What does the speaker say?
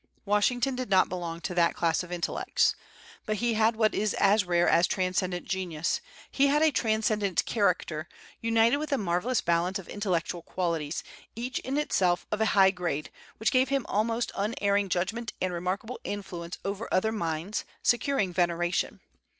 Washington did not belong to that class of intellects. But he had what is as rare as transcendent genius, he had a transcendent character, united with a marvellous balance of intellectual qualities, each in itself of a high grade, which gave him almost unerring judgment and remarkable influence over other minds, securing veneration.